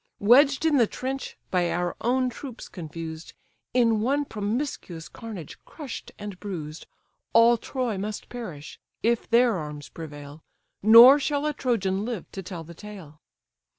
Wedged in the trench, by our own troops confused, In one promiscuous carnage crush'd and bruised, All Troy must perish, if their arms prevail, Nor shall a Trojan live to tell the tale.